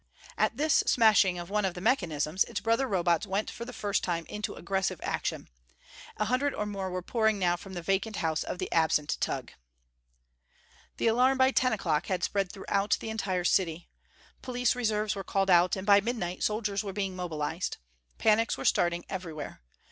At this smashing of one of the mechanisms, its brother Robots went for the first time into aggressive action. A hundred or more were pouring now from the vacant house of the absent Tugh.... The alarm by ten o'clock had spread throughout the entire city. Police reserves were called out, and by midnight soldiers were being mobilized. Panics were starting everywhere.